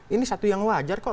ini satu yang wajar kok